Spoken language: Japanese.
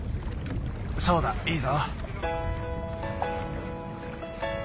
そうだいいぞ。